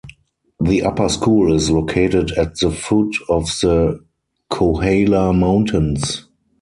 The upper school is located at the foot of the Kohala Mountains.